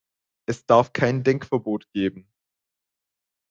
Es darf kein Denkverbot geben.